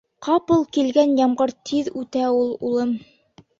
— Ҡапыл килгән ямғыр тиҙ үтә ул, улым.